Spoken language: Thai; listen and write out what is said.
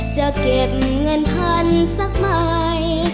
จะเก็บเงินพันธุ์สักหมาย